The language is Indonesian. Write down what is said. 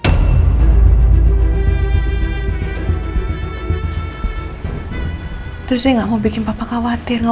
aku takut ya mama pergi karena mungkin mama udah tau hasilnya